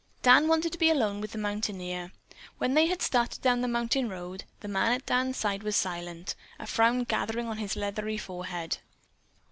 Dan wanted to be alone with the mountaineer. When they had started down the mountain road, the man at Dan's side was silent, a frown gathering on his leathery forehead.